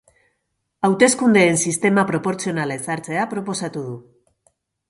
Hauteskundeen sistema proportzionala ezartzea proposatu du.